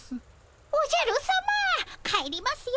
おじゃるさま帰りますよ！